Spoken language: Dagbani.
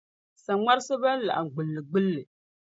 Saŋmarisi bɛn laɣim gbilligbilli.